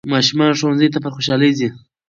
ماشومان ښوونځي ته په خوشحالۍ ځي